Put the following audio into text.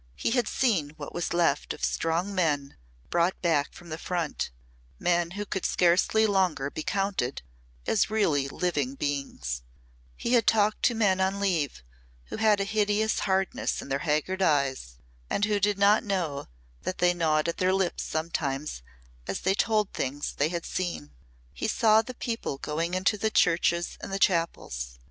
He had seen what was left of strong men brought back from the Front, men who could scarcely longer be counted as really living human beings; he had talked to men on leave who had a hideous hardness in their haggard eyes and who did not know that they gnawed at their lips sometimes as they told the things they had seen. He saw the people going into the churches and chapels.